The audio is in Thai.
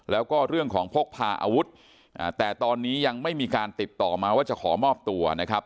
แล้วก็เรื่องของพกพาอาวุธแต่ตอนนี้ยังไม่มีการติดต่อมาว่าจะขอมอบตัวนะครับ